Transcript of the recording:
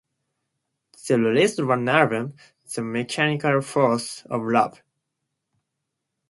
They released one album, "The Mechanical Forces of Love".